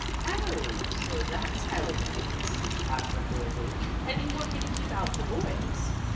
"Oh, so that's how it is?" asked Uncle Wiggily. "And you want me to keep out the boys?"